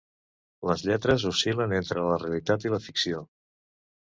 Les lletres oscil·len entre la realitat i la ficció.